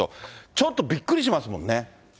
ちょっとびっくりしますもんね。